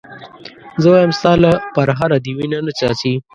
زه وایم ستا له پرهره دې وینه نه څاڅي.